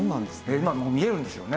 今もう見えるんですよね。